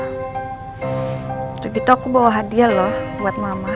teguh gitu aku bawa hadiah lo buat mama